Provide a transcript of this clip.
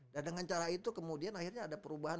dan dengan cara itu kemudian akhirnya ada perubahan